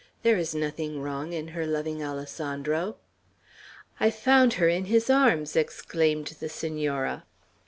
There is nothing wrong in her loving Alessandro." "I found her in his arms!" exclaimed the Senora.